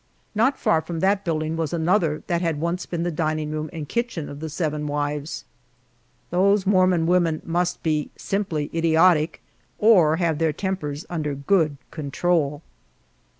Not far from that building was another that had once been the dining room and kitchen of the seven wives. These mormon women must be simply idiotic, or have their tempers under good control!